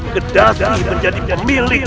kedati menjadi pemilik